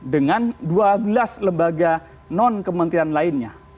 dengan dua belas lembaga non kementerian lainnya